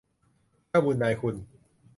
เจ้าบุญนายคุณ